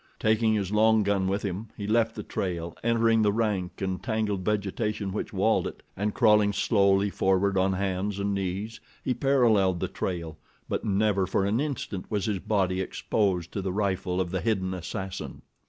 Taking his long gun with him, he left the trail, entering the rank and tangled vegetation which walled it, and crawling slowly forward on hands and knees he paralleled the trail; but never for an instant was his body exposed to the rifle of the hidden assassin.